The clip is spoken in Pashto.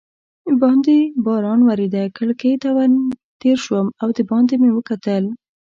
باندې باران ورېده، کړکۍ ته ور تېر شوم او دباندې مې وکتل.